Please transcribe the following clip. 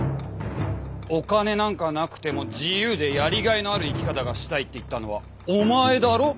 お金なんかなくても自由でやりがいのある生き方がしたいって言ったのはお前だろ！